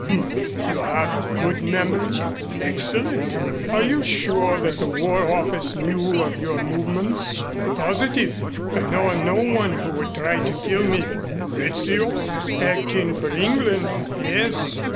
"H m! You have a good memory?" "Excellent." "Are you sure that the War Office knew of your movements?" "Positive. I know of no one who would try to kill me " "Rizzio?" "Acting for England, yes."